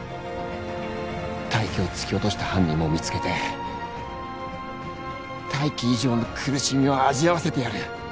泰生を突き落とした犯人も見つけて泰生以上の苦しみを味わわせてやる。